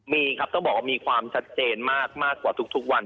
มีครับต้องบอกว่ามีความชัดเจนมากกว่าทุกวัน